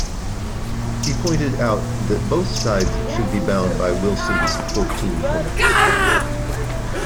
He pointed out that both sides should be bound by Wilson's Fourteen Points.